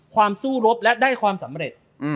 สู้รบและได้ความสำเร็จ